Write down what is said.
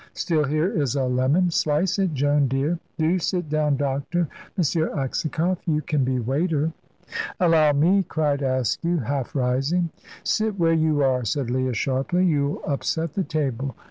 Still, here is a lemon; slice it, Joan, dear. Do sit down, doctor. M. Aksakoff, you can be waiter." "Allow me," cried Askew, half rising. "Sit where you are," said Leah, sharply; "you'll upset the table. M.